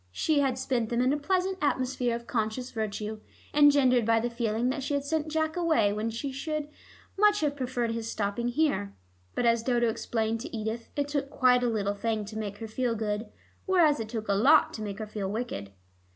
She had spent them in a pleasant atmosphere of conscious virtue, engendered by the feeling that she had sent Jack away when she would much have preferred his stopping here. But as Dodo explained to Edith it took quite a little thing to make her feel good, whereas it took a lot to make her feel wicked.